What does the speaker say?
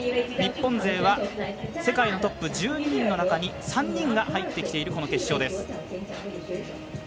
日本勢は世界のトップ１２人の中に３人が入ってきている、この決勝。